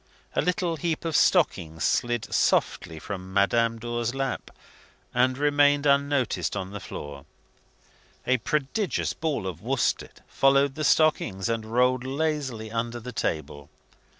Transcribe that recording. A little heap of stockings slid softly from Madame Dor's lap, and remained unnoticed on the floor. A prodigious ball of worsted followed the stockings, and rolled lazily under the table.